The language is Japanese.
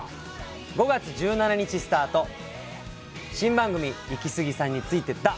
５月１７日スタート新番組「イキスギさんについてった」